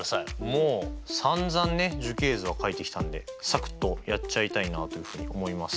もうさんざんね樹形図は書いてきたんでサクッとやっちゃいたいなというふうに思います。